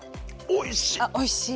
おいしい。